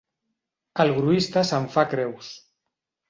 El gruista se'n fa creus.